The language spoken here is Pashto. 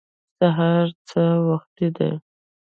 سهار څه وخت دی؟